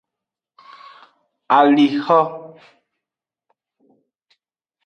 Alixo.